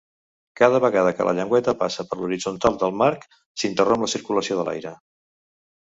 Cada vegada que la llengüeta passa per l'horitzontal del marc, s'interromp la circulació d'aire.